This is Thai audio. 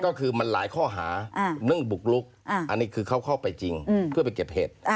ก็คือมันหลายข้อหาเรื่องบุกลุกอันนี้คือเขาเข้าไปจริงเพื่อไปเก็บเห็ด